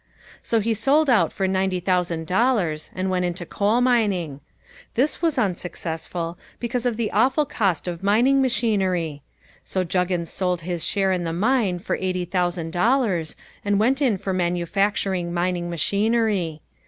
So he sold out for ninety thousand dollars and went into coal mining. This was unsuccessful because of the awful cost of mining machinery. So Juggins sold his share in the mine for eighty thousand dollars and went in for manufacturing mining machinery.